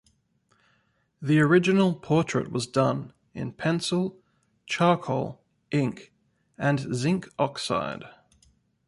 The original portrait was done in pencil, charcoal, ink and zinc oxide.